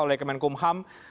oleh kemenkum ham